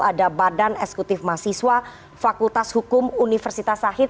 ada badan eksekutif mahasiswa fakultas hukum universitas sahid